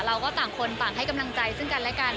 เราก็ต่างคนต่างให้กำลังใจซึ่งกันและกัน